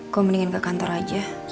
kau mendingan ke kantor aja